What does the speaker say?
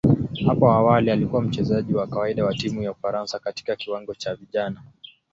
Hapo awali alikuwa mchezaji wa kawaida wa timu ya Ufaransa katika kiwango cha vijana.